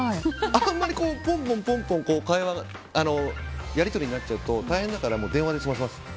あんまりぽんぽん会話のやり取りになっちゃうと大変だから、電話で済ませます。